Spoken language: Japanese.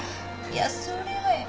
いや。それは。